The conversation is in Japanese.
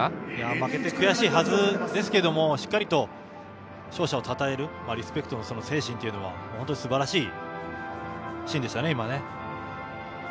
負けて悔しいはずですがしっかりと勝者をたたえるリスペクトの精神というのは本当にすばらしいシーンでしたね。